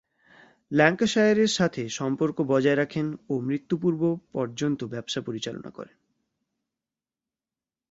ল্যাঙ্কাশায়ারের সাথে সম্পর্ক বজায় রাখেন ও মৃত্যু-পূর্ব পর্যন্ত ব্যবসা পরিচালনা করেন।